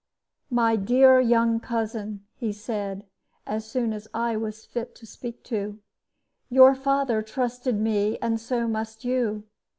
"My dear young cousin," he said, as soon as I was fit to speak to, "your father trusted me, and so must you.